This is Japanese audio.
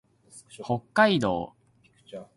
北海道赤平市